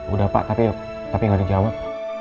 udah pak tapi gak dijawab